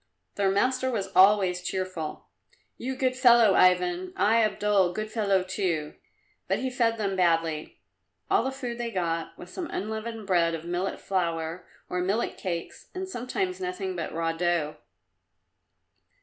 Their master was always cheerful. "You, good fellow, Ivan! I, Abdul, good fellow, too!" But he fed them badly. All the food they got was some unleavened bread of millet flour, or millet cakes, and sometimes nothing but raw dough.